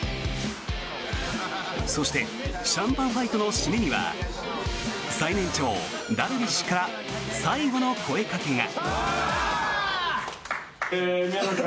そしてシャンパンファイトの締めには最年長、ダルビッシュから最後の声掛けが。